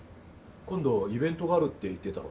今度イベントがあるって言ってたろ？